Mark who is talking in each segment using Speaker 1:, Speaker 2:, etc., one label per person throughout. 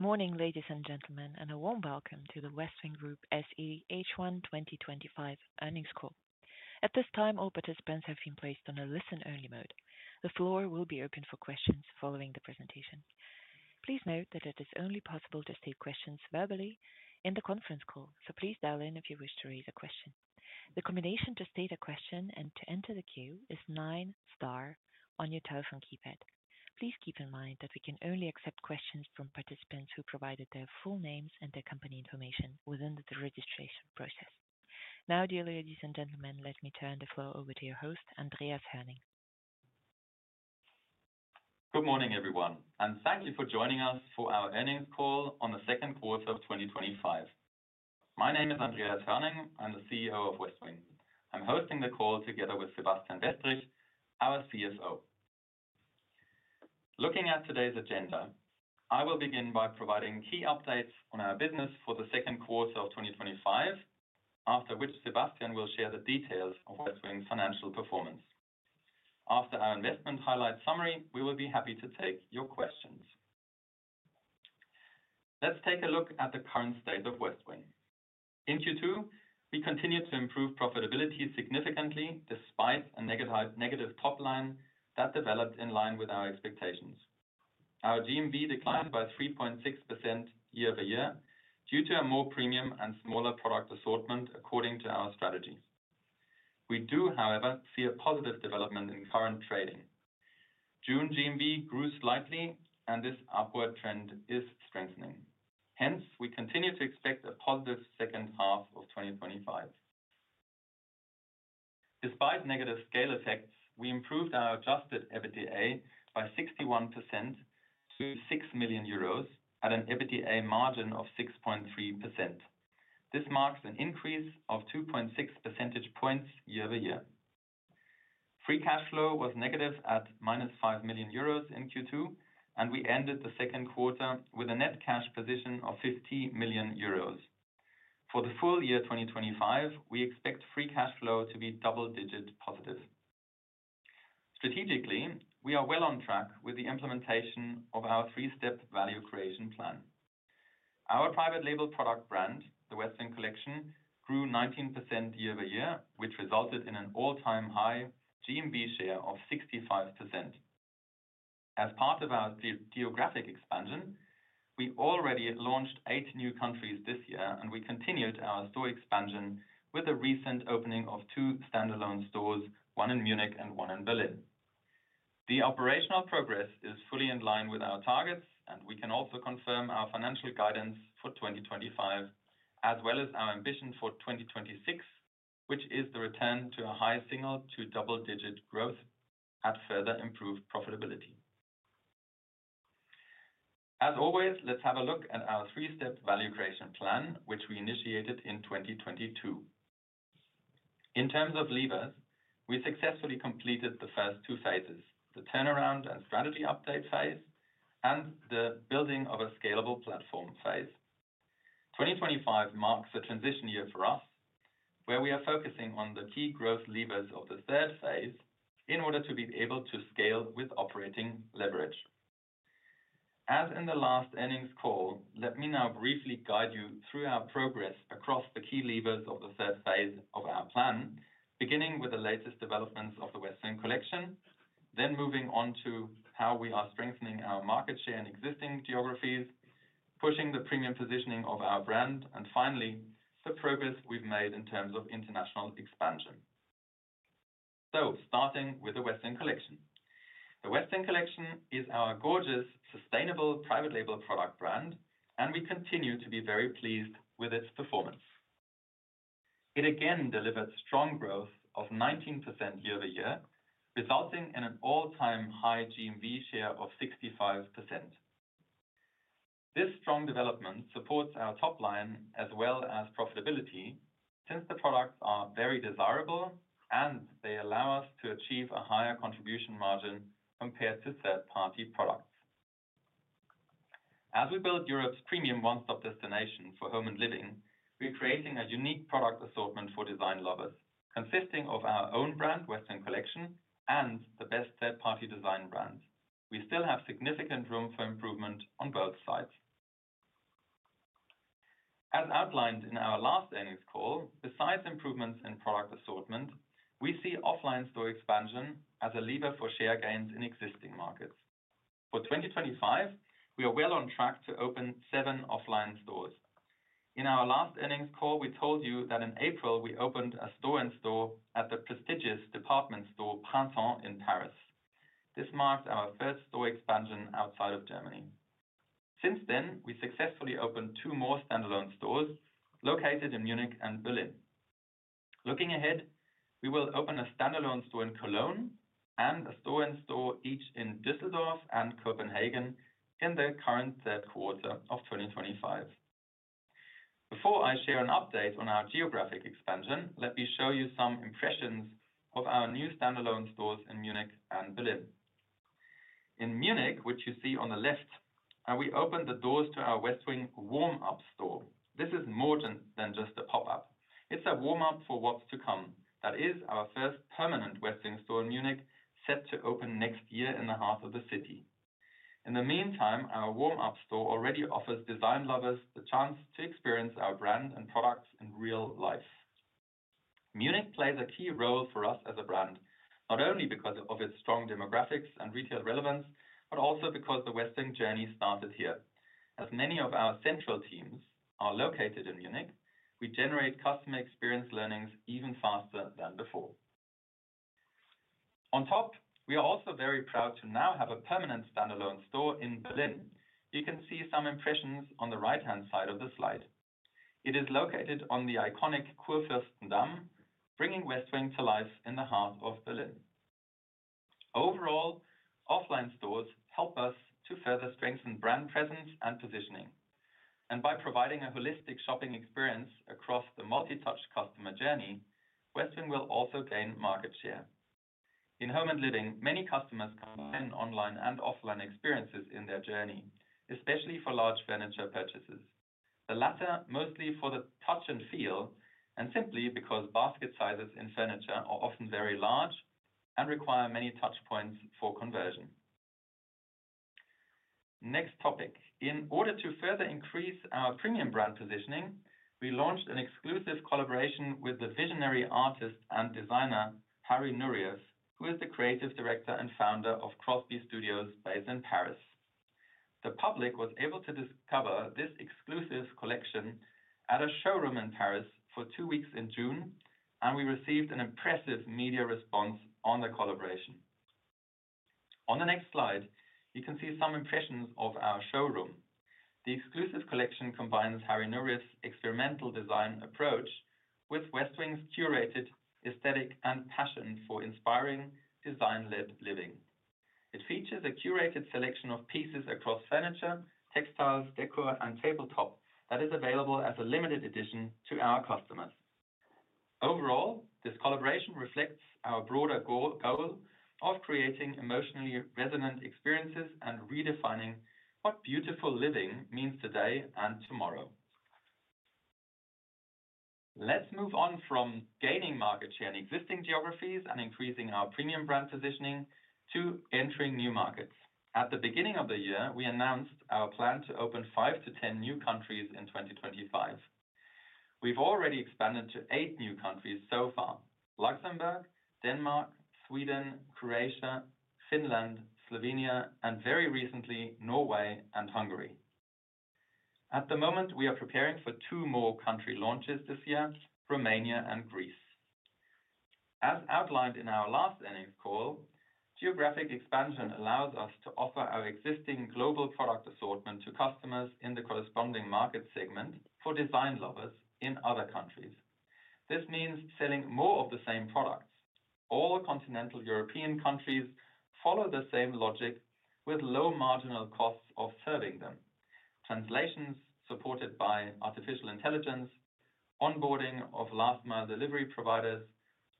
Speaker 1: Morning, ladies and gentlemen, and a warm welcome to the Westwing Group SE H1 2025 Earnings Call. At this time, all participants have been placed on a listen-only mode. The floor will be open for questions following the presentation. Please note that it is only possible to state questions verbally in the conference call, so please dial in if you wish to raise a question. The combination to state a question and to enter the queue is nine star on your telephone keypad. Please keep in mind that we can only accept questions from participants who provided their full names and their company information within the registration process. Now, dear ladies and gentlemen, let me turn the floor over to your host, Andreas Hoerning.
Speaker 2: Good morning, everyone, and thank you for joining us for our earnings call on the second quarter of 2025. My name is Andreas Hoerning, I'm the CEO of Westwing. I'm hosting the call together with Sebastian Westrich, our CFO. Looking at today's agenda, I will begin by providing key updates on our business for the second quarter of 2025, after which Sebastian will share the details of Westwing's financial performance. After our investment highlights summary, we will be happy to take your questions. Let's take a look at the current state of Westwing. In Q2, we continued to improve profitability significantly despite a negative top line that developed in line with our expectations. Our GMV declined by 3.6% year-over-year due to a more premium and smaller product assortment according to our strategy. We do, however, see a positive development in current trading. June GMV grew slightly, and this upward trend is strengthening. Hence, we continue to expect a positive second half of 2025. Despite negative scale effects, we improved our adjusted EBITDA by 61% to 6 million euros at an EBITDA margin of 6.3%. This marks an increase of 2.6 percentage points year-over-year. Free cash flow was negative at -5 million euros in Q2, and we ended the second quarter with a net cash position of 15 million euros. For the full year 2025, we expect free cash flow to be double-digit positive. Strategically, we are well on track with the implementation of our three-step value creation plan. Our private label product brand, the Westwing Collection, grew 19% year-over-year, which resulted in an all-time high GMV share of 65%. As part of our geographic expansion, we already launched eight new countries this year, and we continued our store expansion with the recent opening of two standalone stores, one in Munich and one in Berlin. The operational progress is fully in line with our targets, and we can also confirm our financial guidance for 2025, as well as our ambition for 2026, which is the return to a high single to double-digit growth at further improved profitability. As always, let's have a look at our three-step value creation plan, which we initiated in 2022. In terms of levers, we successfully completed the first two phases: the turnaround and strategy update phase, and the building of a scalable platform phase. 2025 marks a transition year for us, where we are focusing on the key growth levers of the third phase in order to be able to scale with operating leverage. As in the last earnings call, let me now briefly guide you through our progress across the key levers of the third phase of our plan, beginning with the latest developments of the Westwing Collection, then moving on to how we are strengthening our market share in existing geographies, pushing the premium positioning of our brand, and finally, the progress we've made in terms of international expansion. Starting with the Westwing Collection. The Westwing Collection is our gorgeous, sustainable private label product brand, and we continue to be very pleased with its performance. It again delivered strong growth of 19% year-over-year, resulting in an all-time high GMV share of 65%. This strong development supports our top line as well as profitability since the products are very desirable, and they allow us to achieve a higher contribution margin compared to third-party products. As we build Europe's premium one-stop destination for home and living, we're creating a unique product assortment for design lovers, consisting of our own brand, Westwing Collection, and the best third-party design brands. We still have significant room for improvement on both sides. As outlined in our last earnings call, besides improvements in product assortment, we see offline store expansion as a lever for share gains in existing markets. For 2025, we are well on track to open seven offline stores. In our last earnings call, we told you that in April, we opened a store-in-store at the prestigious department store Printemps in Paris. This marked our first store expansion outside of Germany. Since then, we successfully opened two more standalone stores located in Munich and Berlin. Looking ahead, we will open a standalone store in Cologne and a store-in-store each in Düsseldorf and Copenhagen in the current third quarter of 2025. Before I share an update on our geographic expansion, let me show you some impressions of our new standalone stores in Munich and Berlin. In Munich, which you see on the left, we opened the doors to our Westwing warm-up store. This is more than just a pop-up. It's a warm-up for what's to come. That is, our first permanent Westwing store in Munich set to open next year in the heart of the city. In the meantime, our warm-up store already offers design lovers the chance to experience our brand and products in real life. Munich plays a key role for us as a brand, not only because of its strong demographics and retail relevance, but also because the Westwing journey started here. As many of our central teams are located in Munich, we generate customer experience learnings even faster than before. On top, we are also very proud to now have a permanent standalone store in Berlin. You can see some impressions on the right-hand side of the slide. It is located on the iconic Kurfürstendamm, bringing Westwing to life in the heart of Berlin. Overall, offline stores help us to further strengthen brand presence and positioning. By providing a holistic shopping experience across the multi-touch customer journey, Westwing will also gain market share. In home and living, many customers combine online and offline experiences in their journey, especially for large furniture purchases. The latter mostly for the touch and feel, and simply because basket sizes in furniture are often very large and require many touch points for conversion. Next topic. In order to further increase our premium brand positioning, we launched an exclusive collaboration with the visionary artist and designer Harry Nuriev, who is the Creative Director and founder of Crosby Studios based in Paris. The public was able to discover this exclusive collection at a showroom in Paris for two weeks in June, and we received an impressive media response on the collaboration. On the next slide, you can see some impressions of our showroom. The exclusive collection combines Harry Nourius's experimental design approach with Westwing's curated aesthetic and passion for inspiring design-led living. It features a curated selection of pieces across furniture, textiles, decor, and tabletop that is available as a limited edition to our customers. Overall, this collaboration reflects our broader goal of creating emotionally resonant experiences and redefining what beautiful living means today and tomorrow. Let's move on from gaining market share in existing geographies and increasing our premium brand positioning to entering new markets. At the beginning of the year, we announced our plan to open five to ten new countries in 2025. We've already expanded to eight new countries so far: Luxembourg, Denmark, Sweden, Croatia, Finland, Slovenia, and very recently, Norway and Hungary. At the moment, we are preparing for two more country launches this year: Romania and Greece. As outlined in our last earnings call, geographic expansion allows us to offer our existing global product assortment to customers in the corresponding market segment for design lovers in other countries. This means selling more of the same products. All continental European countries follow the same logic, with low marginal costs of serving them. Translations supported by artificial intelligence, onboarding of last-mile delivery providers,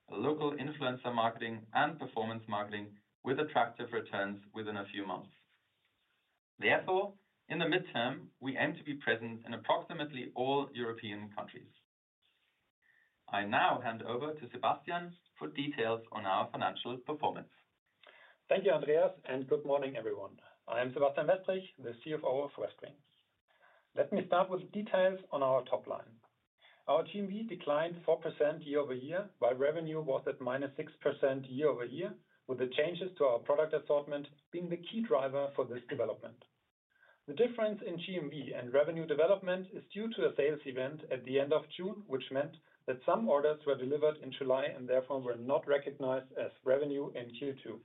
Speaker 2: local influencer marketing, and performance marketing with attractive returns within a few months. Therefore, in the midterm, we aim to be present in approximately all European countries. I now hand over to Sebastian for details on our financial performance.
Speaker 3: Thank you, Andreas, and good morning, everyone. I am Sebastian Westrich, the CFO of Westwing. Let me start with details on our top line. Our GMV declined 4% year-over-year, while revenue was at -6% year-over-year, with the changes to our product assortment being the key driver for this development. The difference in GMV and revenue development is due to a sales event at the end of June, which meant that some orders were delivered in July and therefore were not recognized as revenue in Q2.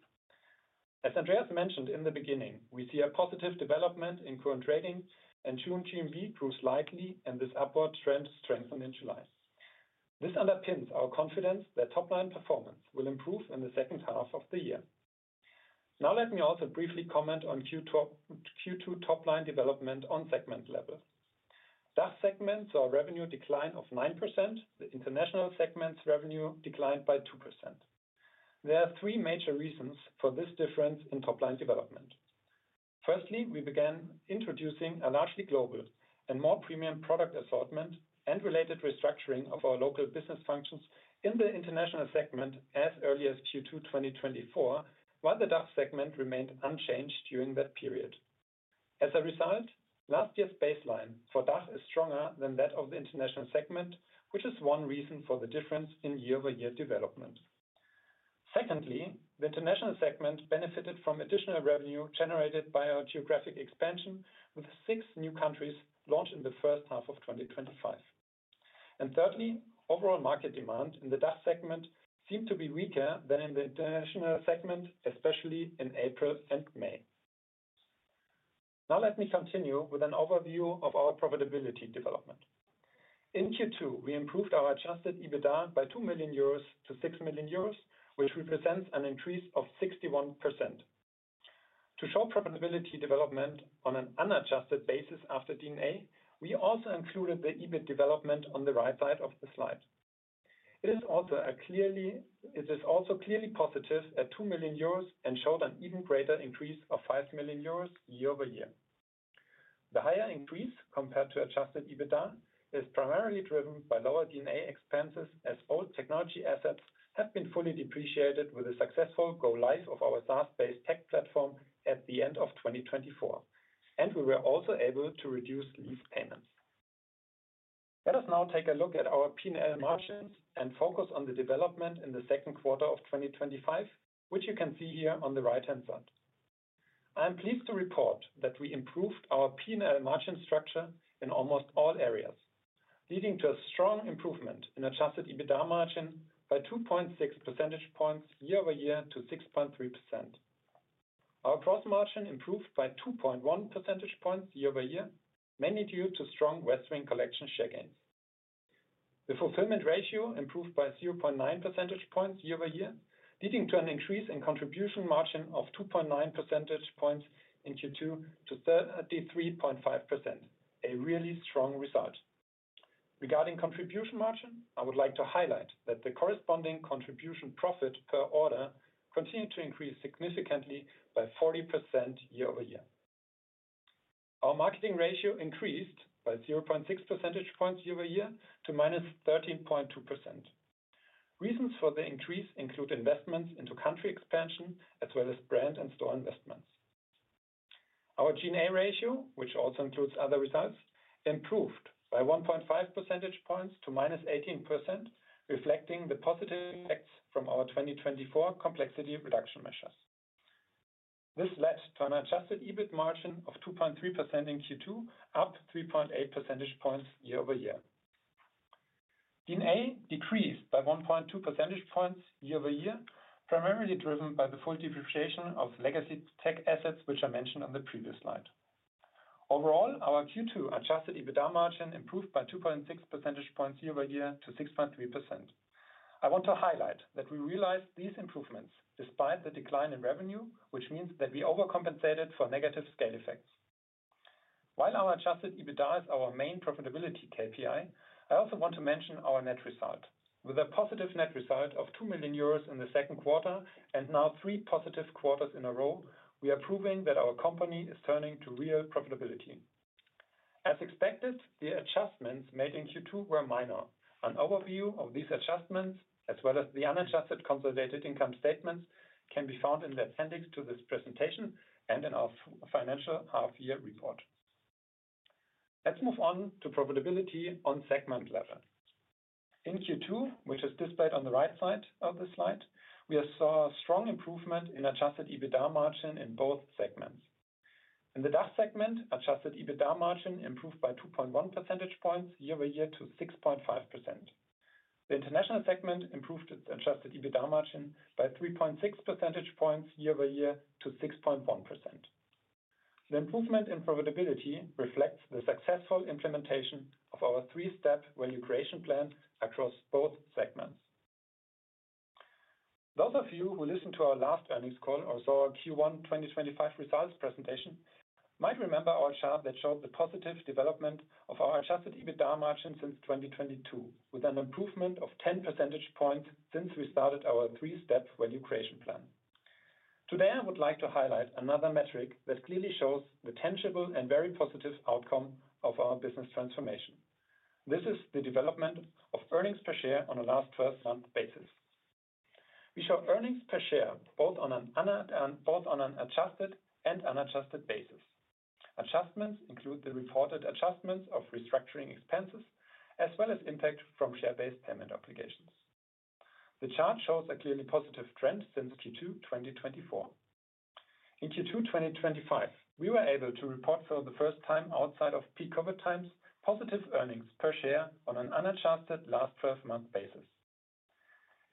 Speaker 3: As Andreas mentioned in the beginning, we see a positive development in current trading, and June GMV grew slightly, and this upward trend strengthened in July. This underpins our confidence that top-line performance will improve in the second half of the year. Now, let me also briefly comment on Q2 top-line development on segment level. DACH segments saw a revenue decline of 9%, the international segment's revenue declined by 2%. There are three major reasons for this difference in top-line development. Firstly, we began introducing a largely global and more premium product assortment and related restructuring of our local business functions in the international segment as early as Q2 2024, while the DACH segment remained unchanged during that period. As a result, last year's baseline for DACH is stronger than that of the international segment, which is one reason for the difference in year-over-year development. Secondly, the international segment benefited from additional revenue generated by our geographic expansion, with six new countries launched in the first half of 2025. Thirdly, overall market demand in the DACH segment seemed to be weaker than in the international segment, especially in April and May. Now, let me continue with an overview of our profitability development. In Q2, we improved our adjusted EBITDA by 2 million-6 million euros, which represents an increase of 61%. To show profitability development on an unadjusted basis after D&A, we also included the EBITDA development on the right side of the slide. It is also clearly positive at 2 million euros and showed an even greater increase of 5 million euros year-over-year. The higher increase compared to adjusted EBITDA is primarily driven by lower D&A expenses as all technology assets have been fully depreciated with a successful go-live of our SaaS-based tech platform at the end of 2024, and we were also able to reduce lease payments. Let us now take a look at our P&L margins and focus on the development in the second quarter of 2025, which you can see here on the right-hand side. I am pleased to report that we improved our P&L margin structure in almost all areas, leading to a strong improvement in adjusted EBITDA margin by 2.6 percentage points year-over-year to 6.3%. Our gross margin improved by 2.1 percentage points year-over-year, mainly due to strong Westwing Collection share gains. The fulfillment ratio improved by 0.9 percentage points year-over-year, leading to an increase in contribution margin of 2.9 percentage points in Q2 to 33.5%, a really strong result. Regarding contribution margin, I would like to highlight that the corresponding contribution profit per order continued to increase significantly by 40% year-over-year. Our marketing ratio increased by 0.6 percentage points year-over-year to minus 13.2%. Reasons for the increase include investments into country expansion, as well as brand and store investments. Our G&A ratio, which also includes other results, improved by 1.5 percentage points to minus 18%, reflecting the positive effects from our 2024 complexity reduction measures. This led to an adjusted EBITDA margin of 2.3% in Q2, up 3.8 percentage points year-over-year. D&A decreased by 1.2 percentage points year-over-year, primarily driven by the full depreciation of legacy tech assets, which I mentioned on the previous slide. Overall, our Q2 adjusted EBITDA margin improved by 2.6 percentage points year-over-year to 6.3%. I want to highlight that we realized these improvements despite the decline in revenue, which means that we overcompensated for negative scale effects. While our adjusted EBITDA is our main profitability KPI, I also want to mention our net result. With a positive net result of 2 million euros in the second quarter and now three positive quarters in a row, we are proving that our company is turning to real profitability. As expected, the adjustments made in Q2 were minor. An overview of these adjustments, as well as the unadjusted consolidated income statements, can be found in the appendix to this presentation and in our financial half-year report. Let's move on to profitability on segment level. In Q2, which is displayed on the right side of the slide, we saw a strong improvement in adjusted EBITDA margin in both segments. In the DACH segment, adjusted EBITDA margin improved by 2.1 percentage points year-over-year to 6.5%. The international segment improved its adjusted EBITDA margin by 3.6% year-over-year to 6.1%. The improvement in profitability reflects the successful implementation of our three-step value creation plan across both segments. Those of you who listened to our last earnings call or saw our Q1 2025 results presentation might remember our chart that showed the positive development of our adjusted EBITDA margin since 2022, with an improvement of 10% since we started our three-step value creation plan. Today, I would like to highlight another metric that clearly shows the tangible and very positive outcome of our business transformation. This is the development of earnings per share on a last 12-month basis. We show earnings per share both on an adjusted and unadjusted basis. Adjustments include the reported adjustments of restructuring expenses, as well as impact from share-based payment obligations. The chart shows a clearly positive trend since Q2 2024. In Q2 2025, we were able to report for the first time outside of peak COVID times positive earnings per share on an unadjusted last 12-month basis.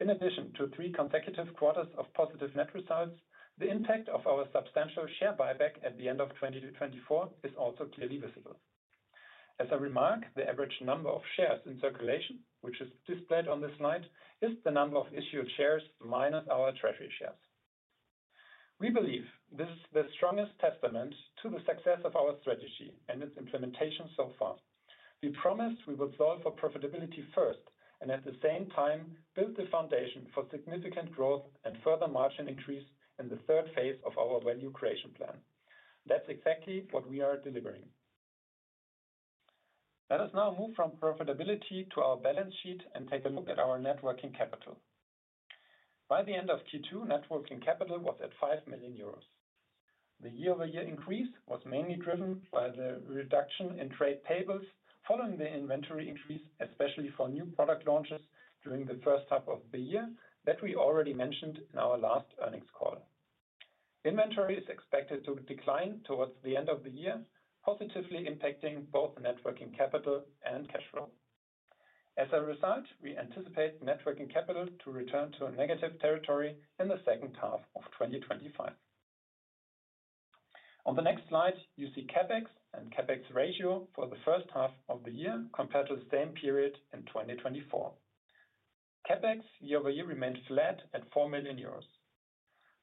Speaker 3: In addition to three consecutive quarters of positive net results, the impact of our substantial share buyback at the end of 2024 is also clearly visible. As a remark, the average number of shares in circulation, which is displayed on this slide, is the number of issued shares minus our treasury shares. We believe this is the strongest testament to the success of our strategy and its implementation so far. We promised we would solve for profitability first and at the same time build the foundation for significant growth and further margin increase in the third phase of our value creation plan. That's exactly what we are delivering. Let us now move from profitability to our balance sheet and take a look at our net working capital. By the end of Q2, net working capital was at 5 million euros. The year-over-year increase was mainly driven by the reduction in trade payables following the inventory increase, especially for new product launches during the first half of the year that we already mentioned in our last earnings call. Inventory is expected to decline towards the end of the year, positively impacting both net working capital and cash flow. As a result, we anticipate net working capital to return to negative territory in the second half of 2025. On the next slide, you see CapEx and CapEx ratio for the first half of the year compared to the same period in 2024. CapEx year-over-year remained flat at 4 million euros.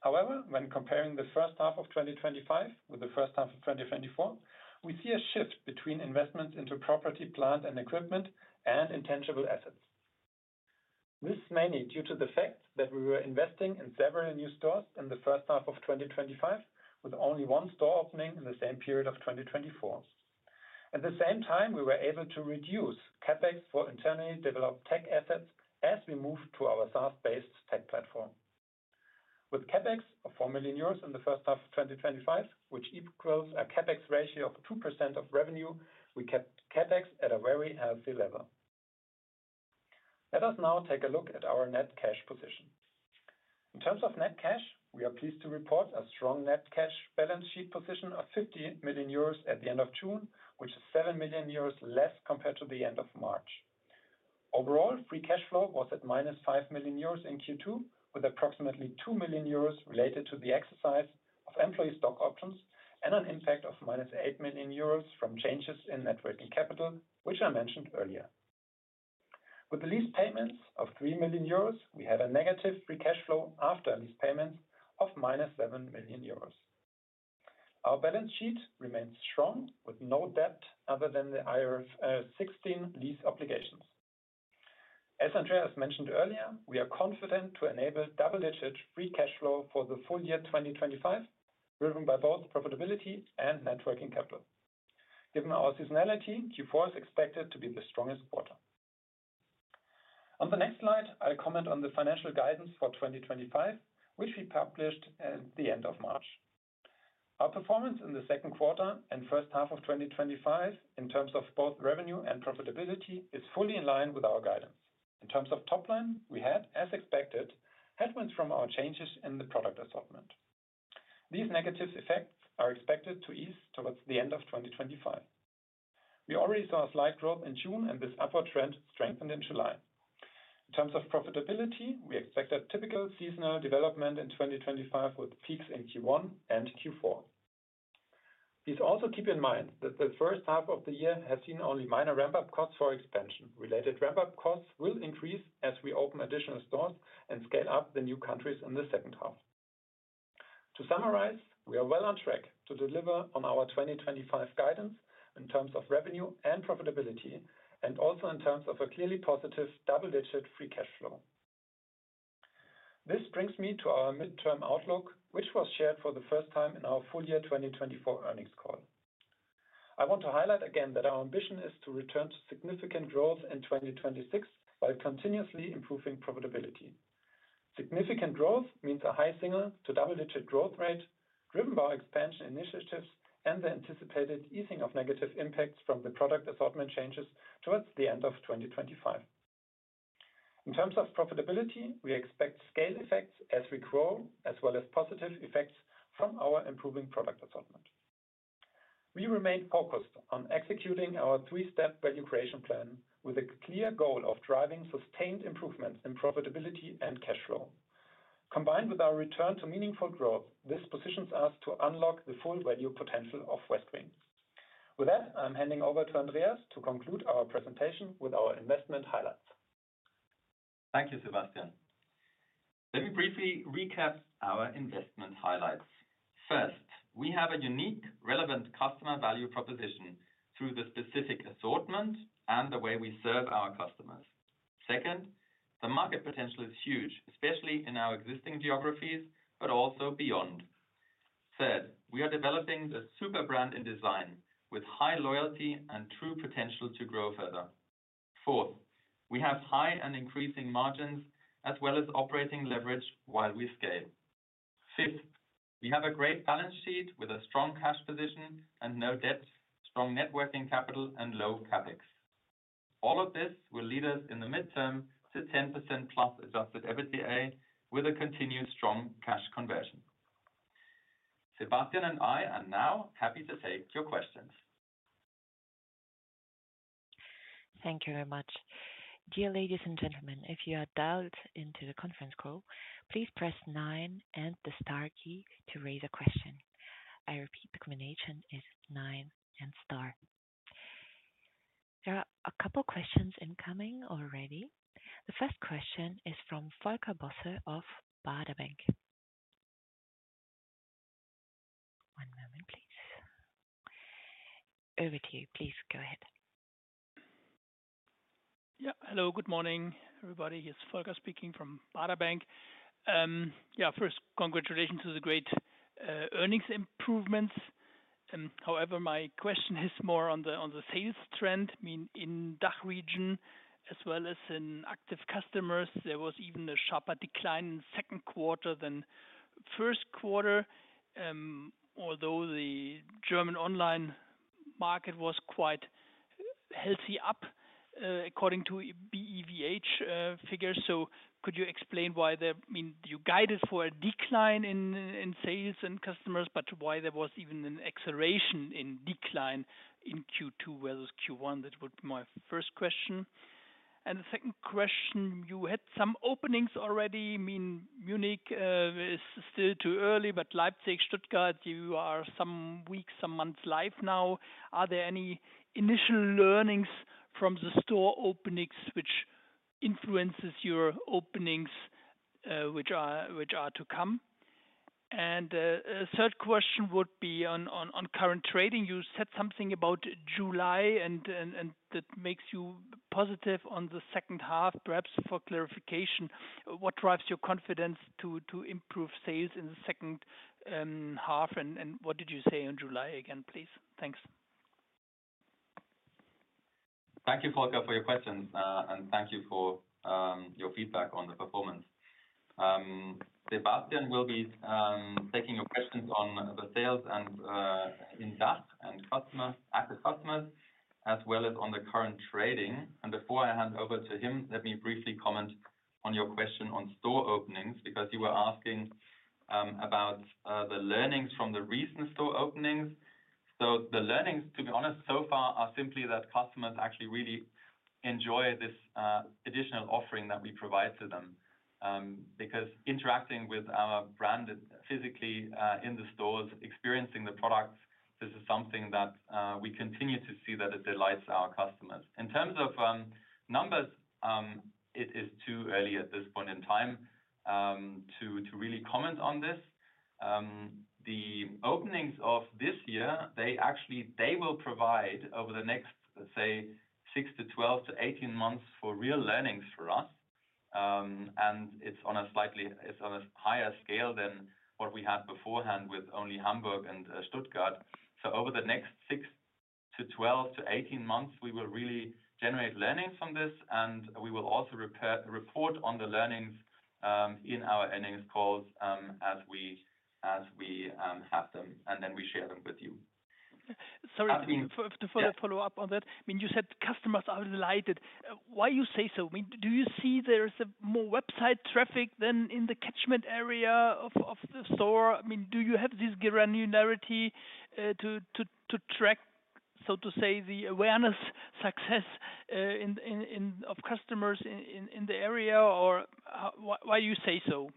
Speaker 3: However, when comparing the first half of 2025 with the first half of 2024, we see a shift between investments into property, plant, and equipment, and intangible assets. This is mainly due to the fact that we were investing in several new stores in the first half of 2025, with only one store opening in the same period of 2024. At the same time, we were able to reduce CapEx for internally developed tech assets as we moved to our SaaS-based tech platform. With CapEx of 4 million euros in the first half of 2025, which equals a CapEx ratio of 2% of revenue, we kept CapEx at a very healthy level. Let us now take a look at our net cash position. In terms of net cash, we are pleased to report a strong net cash balance sheet position of 50 million euros at the end of June, which is 7 million euros less compared to the end of March. Overall, free cash flow was at -5 million euros in Q2, with approximately €2 million related to the exercise of employee stock options and an impact of -8 million euros from changes in net working capital, which I mentioned earlier. With the lease payments of 3 million euros, we had a negative free cash flow after lease payments of -7 million euros. Our balance sheet remains strong with no debt other than the IFRS 16 lease obligations. As Andreas mentioned earlier, we are confident to enable double-digit free cash flow for the full year 2025, driven by both profitability and net working capital. Given our seasonality, Q4 is expected to be the strongest quarter. On the next slide, I'll comment on the financial guidance for 2025, which we published at the end of March. Our performance in the second quarter and first half of 2025, in terms of both revenue and profitability, is fully in line with our guidance. In terms of top line, we had, as expected, headwinds from our changes in the product assortment. These negative effects are expected to ease towards the end of 2025. We already saw a slight drop in June, and this upward trend strengthened in July. In terms of profitability, we expect a typical seasonal development in 2025 with peaks in Q1 and Q4. Please also keep in mind that the first half of the year has seen only minor ramp-up costs for expansion. Related ramp-up costs will increase as we open additional stores and scale up the new countries in the second half. To summarize, we are well on track to deliver on our 2025 guidance in terms of revenue and profitability, and also in terms of a clearly positive double-digit free cash flow. This brings me to our midterm outlook, which was shared for the first time in our full year 2024 earnings call. I want to highlight again that our ambition is to return to significant growth in 2026 while continuously improving profitability. Significant growth means a high single to double-digit growth rate driven by our expansion initiatives and the anticipated easing of negative impacts from the product assortment changes towards the end of 2025. In terms of profitability, we expect scale effects as we grow, as well as positive effects from our improving product assortment. We remain focused on executing our three-step value creation plan with a clear goal of driving sustained improvement in profitability and cash flow. Combined with our return to meaningful growth, this positions us to unlock the full value potential of Westwing. With that, I'm handing over to Andreas to conclude our presentation with our investment highlights.
Speaker 2: Thank you, Sebastian. Let me briefly recap our investment highlights. First, we have a unique, relevant customer value proposition through the specific assortment and the way we serve our customers. Second, the market potential is huge, especially in our existing geographies, but also beyond. Third, we are developing a super brand in design with high loyalty and true potential to grow further. Fourth, we have high and increasing margins, as well as operating leverage while we scale. Fifth, we have a great balance sheet with a strong cash position and no debt, strong net working capital, and low CapEx. All of this will lead us in the midterm to 10%+ adjusted EBITDA with a continued strong cash conversion. Sebastian and I are now happy to take your questions.
Speaker 1: Thank you very much. Dear ladies and gentlemen, if you are dialed into the conference call, please press 9 and the star key to raise a question. I repeat, the combination is nine and star. There are a couple of questions incoming already. The first question is from Volker Bosse of Baader Bank. One moment, please. Over to you, please. Go ahead.
Speaker 4: Yeah, hello, good morning everybody. Here's Volker speaking from Baader Bank. First, congratulations to the great earnings improvements. However, my question is more on the sales trend. I mean, in the DACH region, as well as in active customers, there was even a sharper decline in the second quarter than the first quarter, although the German online market was quite healthy up according to BEVH figures. Could you explain why you guided for a decline in sales and customers, but why there was even an acceleration in decline in Q2 versus Q1? That would be my first question. The second question, you had some openings already. Munich is still too early, but Leipzig, Stuttgart, you are some weeks, some months live now. Are there any initial learnings from the store openings which influence your openings which are to come? The third question would be on current trading. You said something about July, and that makes you positive on the second half. Perhaps for clarification, what drives your confidence to improve sales in the second half? What did you say on July again, please? Thanks.
Speaker 2: Thank you, Volker, for your question, and thank you for your feedback on the performance. Sebastian will be taking your questions on the sales in DACH and active customers, as well as on the current trading. Before I hand over to him, let me briefly comment on your question on store openings because you were asking about the learnings from the recent store openings. The learnings, to be honest, so far are simply that customers actually really enjoy this additional offering that we provide to them because interacting with our brand physically in the stores, experiencing the products, this is something that we continue to see that it delights our customers. In terms of numbers, it is too early at this point in time to really comment on this. The openings of this year, they actually will provide over the next, let's say, 6 to 12 to 18 months for real learnings for us. It is on a slightly higher scale than what we had beforehand with only Hamburg and Stuttgart. Over the next 6 to 12 to 18 months, we will really generate learnings from this, and we will also report on the learnings in our earnings calls as we have them, and then we share them with you.
Speaker 4: Sorry to follow up on that. You said customers are delighted. Why do you say so? Do you see there's more website traffic than in the catchment area of the store? Do you have this granularity to track the awareness success of customers in the area? Why do you say so?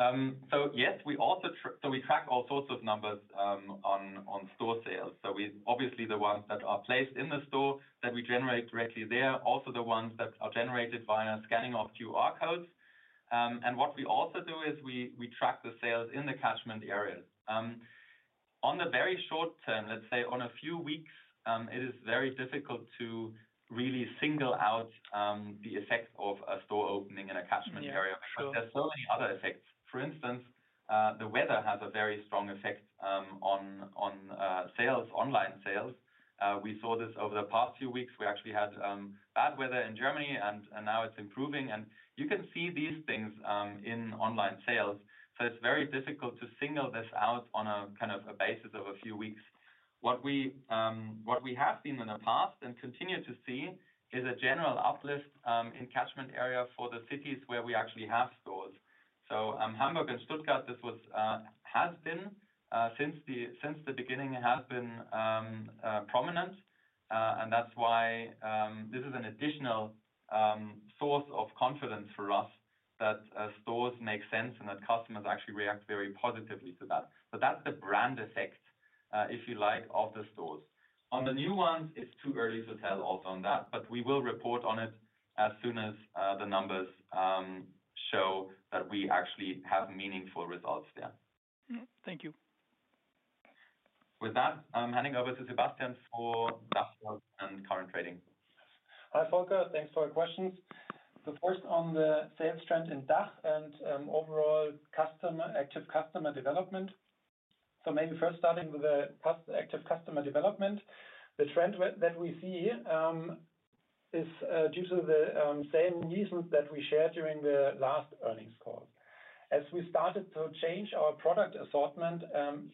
Speaker 4: It's just, yeah, please.
Speaker 2: Yes, we also track all sorts of numbers on store sales. Obviously, the ones that are placed in the store that we generate directly there, also the ones that are generated via scanning of QR codes. We also track the sales in the catchment area. In the very short term, let's say a few weeks, it is very difficult to really single out the effect of a store opening in a catchment area. There are so many other effects. For instance, the weather has a very strong effect on sales, online sales. We saw this over the past few weeks. We actually had bad weather in Germany, and now it's improving. You can see these things in online sales. It is very difficult to single this out on a basis of a few weeks. What we have seen in the past and continue to see is a general uplift in the catchment area for the cities where we actually have stores. Hamburg and Stuttgart, this has been since the beginning, has been prominent. This is an additional source of confidence for us that stores make sense and that customers actually react very positively to that. That is the brand effect, if you like, of the stores. On the new ones, it's too early to tell also on that, but we will report on it as soon as the numbers show that we actually have meaningful results there.
Speaker 4: Thank you.
Speaker 2: With that, I'm handing over to Sebastian for DACH stock and current trading.
Speaker 3: Hi Volker, thanks for your questions. The first on the sales trend in DACH and overall active customer development. Maybe first starting with the active customer development. The trend that we see is due to the same reasons that we shared during the last earnings call. As we started to change our product assortment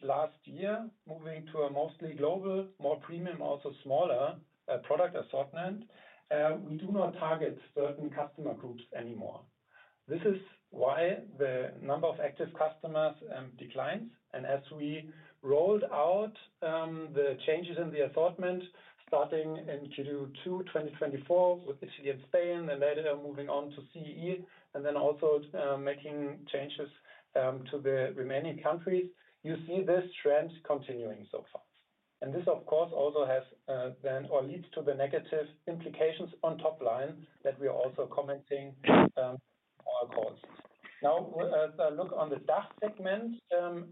Speaker 3: last year, moving to a mostly global, more premium, also smaller product assortment, we do not target certain customer groups anymore. This is why the number of active customers declines. As we rolled out the changes in the assortment, starting in Q2 2024 with Italy and Spain, and later moving on to CEE, and then also making changes to the remaining countries, you see this trend continuing so far. This, of course, also has or leads to the negative implications on top line that we are also commenting on our calls. As I look on the DACH segment,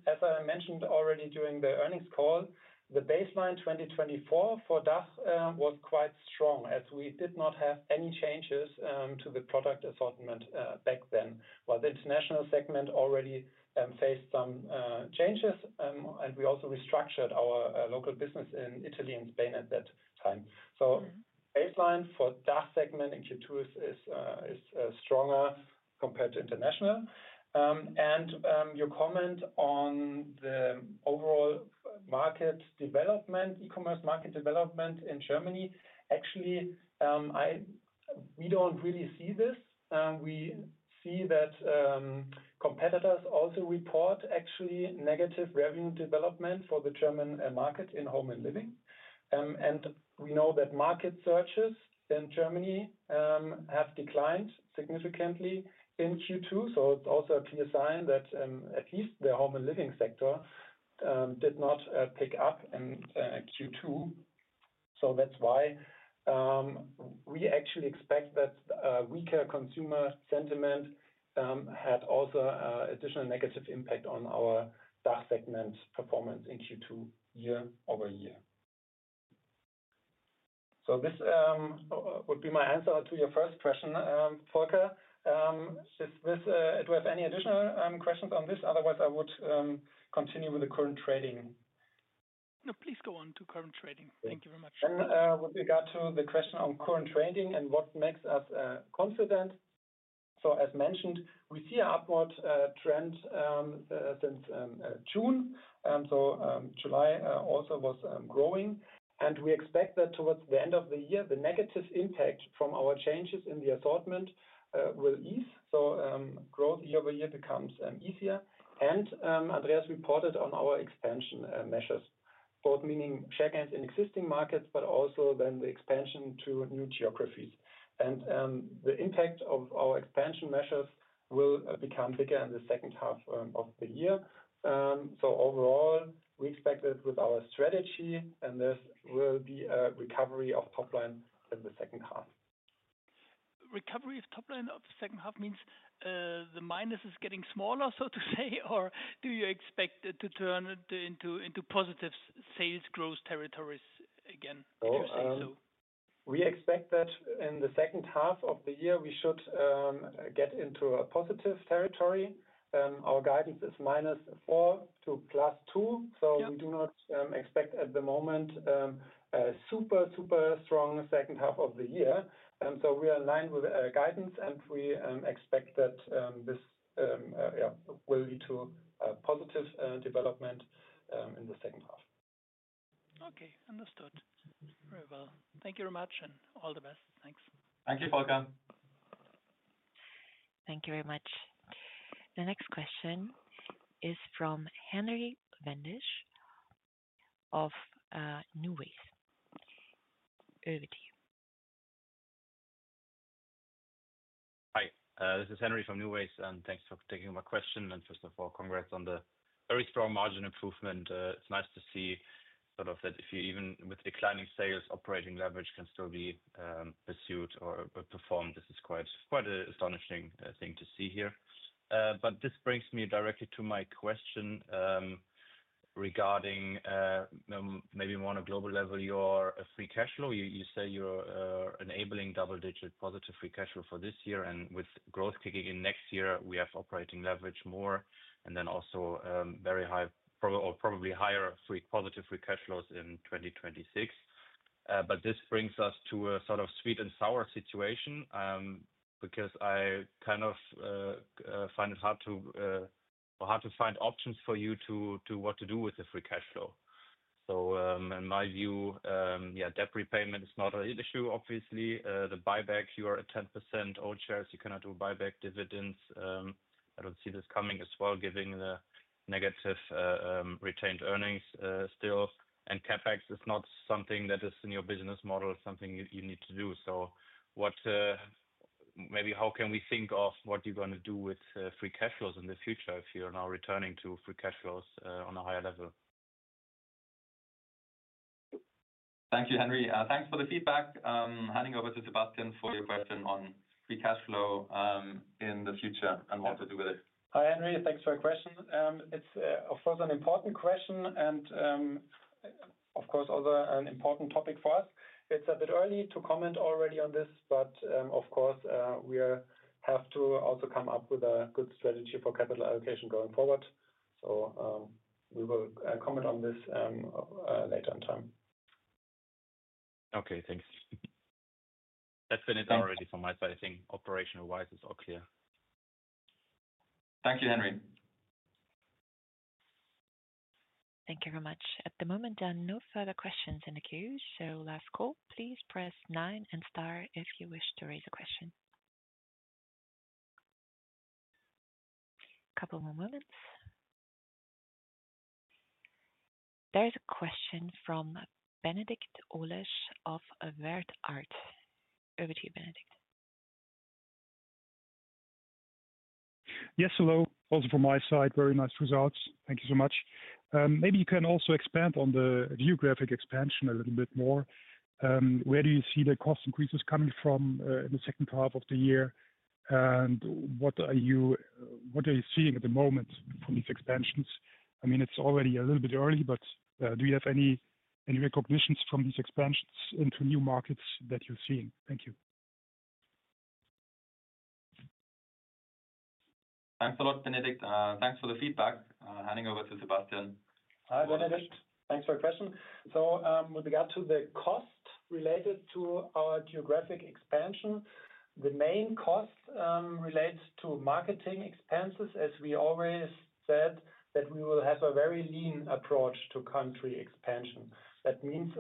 Speaker 3: as I mentioned already during the earnings call, the baseline 2024 for DACH was quite strong as we did not have any changes to the product assortment back then. While the international segment already faced some changes, and we also restructured our local business in Italy and Spain at that time. The baseline for the DACH segment in Q2 is stronger compared to international. Your comment on the overall market development, e-commerce market development in Germany, actually, we do not really see this. We see that competitors also report negative revenue development for the German market in home and living. We know that market searches in Germany have declined significantly in Q2. It is also a clear sign that at least the home and living sector did not pick up in Q2. That is why we actually expect that weaker consumer sentiment had also an additional negative impact on our DACH segment performance in Q2 year-over-year. This would be my answer to your first question, Volker. Do we have any additional questions on this? Otherwise, I would continue with the current trading. No, please go on to current trading. Thank you very much. With regard to the question on current trading and what makes us confident, as mentioned, we see an upward trend since June. July also was growing. We expect that towards the end of the year, the negative impact from our changes in the assortment will ease. Growth year-over-year becomes easier. Andreas reported on our expansion measures, both meaning share gains in existing markets, but also the expansion to new geographies. The impact of our expansion measures will become bigger in the second half of the year. Overall, we expect that with our strategy, this will be a recovery of top line in the second half. Recovery of top line of the second half means the minus is getting smaller, so to say, or do you expect it to turn into positive sales growth territories again? We expect that in the second half of the year, we should get into a positive territory. Our guidance is minus 4% to plus 2%. We do not expect at the moment a super, super strong second half of the year. We are aligned with guidance, and we expect that this will lead to positive development in the second half.
Speaker 4: Okay, understood. Very well. Thank you very much, and all the best. Thanks.
Speaker 2: Thank you, Volker.
Speaker 1: Thank you very much. The next question is from Henry Wendisch of NuWays. Over to you.
Speaker 5: Hi, this is Henry from NuWays, and thanks for taking my question. First of all, congrats on the very strong margin improvement. It's nice to see sort of that if you even with declining sales, operating leverage can still be pursued or performed. This is quite an astonishing thing to see here. This brings me directly to my question regarding maybe more on a global level, your free cash flow. You say you're enabling double-digit positive free cash flow for this year, and with growth kicking in next year, we have operating leverage more, and then also very high, or probably higher positive free cash flows in 2026. This brings us to a sort of sweet and sour situation because I kind of find it hard to find options for you to what to do with the free cash flow. In my view, yeah, debt repayment is not an issue, obviously. The buyback, you are at 10% old shares. You cannot do buyback dividends. I don't see this coming as well, giving the negative retained earnings still. CapEx is not something that is in your business model, something you need to do. Maybe how can we think of what you're going to do with free cash flows in the future if you're now returning to free cash flows on a higher level?
Speaker 2: Thank you, Henry. Thanks for the feedback. Handing over to Sebastian for your question on free cash flow in the future and what to do with it.
Speaker 3: Hi, Henry. Thanks for your question. It's, of course, an important question and, of course, also an important topic for us. It's a bit early to comment already on this, but we have to also come up with a good strategy for capital allocation going forward. We will comment on this later in time.
Speaker 5: Okay, thanks. That's finished already from my side. I think operational wise is all clear.
Speaker 2: Thank you, Henry.
Speaker 1: Thank you very much. At the moment, there are no further questions in the queue. Last call, please press nine and star if you wish to raise a question. A couple more moments. There is a question from Benedikt Olesch of WertArt. Over to you, Benedikt.
Speaker 6: Yes, hello. Also from my side, very nice results. Thank you so much. Maybe you can also expand on the geographic expansion a little bit more. Where do you see the cost increases coming from in the second half of the year? What are you seeing at the moment from these expansions? I mean, it's already a little bit early, but do you have any recognitions from these expansions into new markets that you've seen? Thank you.
Speaker 2: Thanks a lot, Benedikt. Thanks for the feedback. Handing over to Sebastian.
Speaker 3: Hi, Benedict. Thanks for your question. With regard to the cost related to our geographic expansion, the main cost relates to marketing expenses. As we always said, we will have a very lean approach to country expansion. That means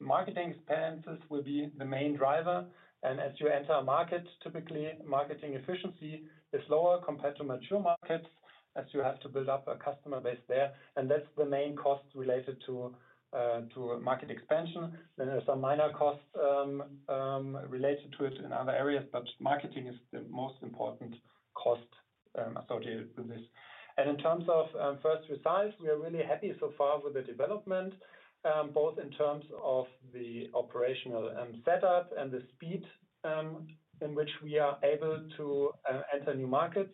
Speaker 3: marketing expenses will be the main driver. As you enter a market, typically, marketing efficiency is lower compared to mature markets as you have to build up a customer base there. That's the main cost related to market expansion. There is a minor cost related to it in other areas, but marketing is the most important cost associated with this. In terms of first results, we are really happy so far with the development, both in terms of the operational setup and the speed in which we are able to enter new markets.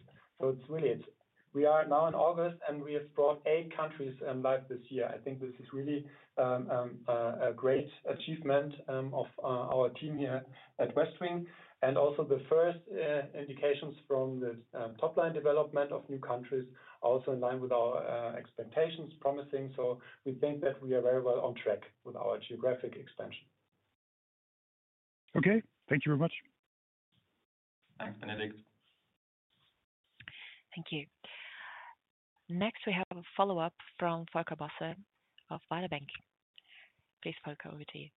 Speaker 3: We are now in August, and we have brought eight countries live this year. I think this is really a great achievement of our team here at Westwing. The first indications from the top-line development of new countries are also in line with our expectations, promising. We think that we are very well on track with our geographic expansion.
Speaker 6: Okay, thank you very much.
Speaker 2: Thanks, Benedict.
Speaker 1: Thank you. Next, we have a follow-up from Volker Bosse of Baader Bank. Please, Volker, over to you.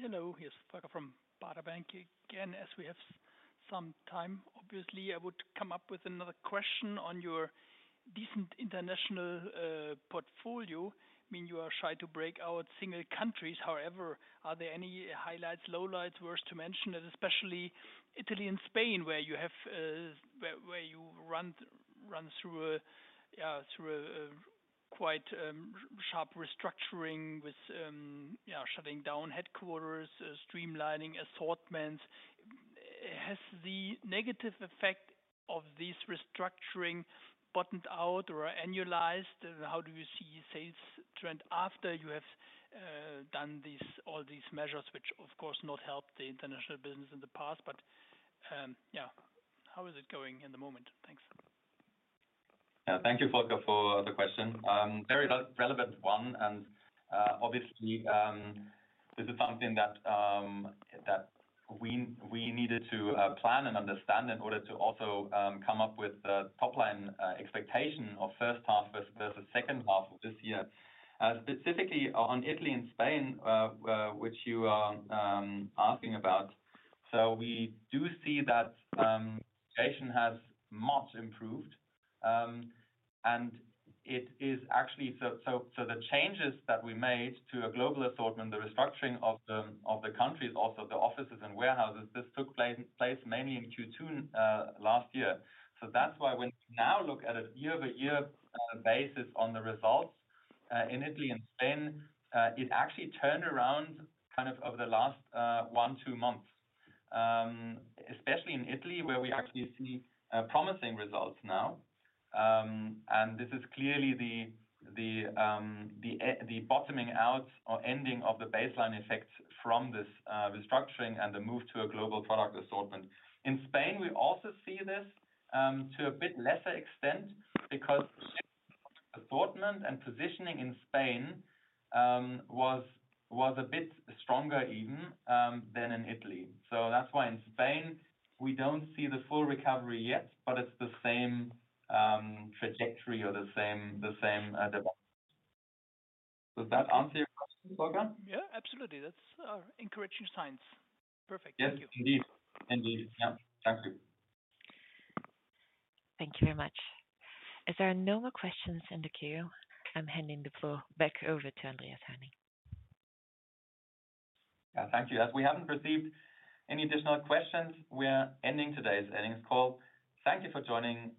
Speaker 4: Hello, here's Volker from Baader Bank again. As we have some time, obviously, I would come up with another question on your decent international portfolio. I mean, you are shy to break out single countries. However, are there any highlights, low lights, worth to mention? Especially Italy and Spain, where you have run through quite sharp restructuring with shutting down headquarters, streamlining assortments. Has the negative effect of this restructuring bottomed out or annualized? How do you see sales trend after you have done all these measures, which, of course, not helped the international business in the past? How is it going in the moment? Thanks.
Speaker 2: Thank you, Volker, for the question. Very relevant one. Obviously, this is something that we needed to plan and understand in order to also come up with the top-line expectation of the first half versus the second half of this year. Specifically on Italy and Spain, which you are asking about. We do see that the expectation has much improved. It is actually, the changes that we made to a global assortment, the restructuring of the countries, also the offices and warehouses, this took place mainly in Q2 last year. That's why when you now look at a year-over-year basis on the results in Italy and Spain, it actually turned around kind of over the last one, two months, especially in Italy, where we actually see promising results now. This is clearly the bottoming out or ending of the baseline effects from this restructuring and the move to a global product assortment. In Spain, we also see this to a bit lesser extent because assortment and positioning in Spain was a bit stronger even than in Italy. That's why in Spain we don't see the full recovery yet, but it's the same trajectory or the same demand. Does that answer your question, Volker?
Speaker 4: Yeah, absolutely. That's encouraging signs. Perfect. Thank you.
Speaker 2: Yeah, indeed. Yeah.
Speaker 1: Thank you very much. Is there no more questions in the queue? I'm handing the floor back over to Andreas Hoerning.
Speaker 2: Yeah, thank you. As we haven't received any additional questions, we are ending today's earnings call. Thank you for joining.